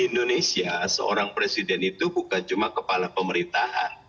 indonesia seorang presiden itu bukan cuma kepala pemerintahan